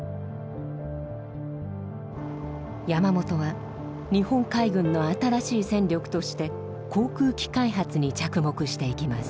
山本は日本海軍の新しい戦力として航空機開発に着目していきます。